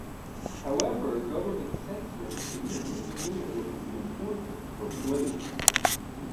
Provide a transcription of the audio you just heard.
However, government censors significantly limit what can be imported, or played.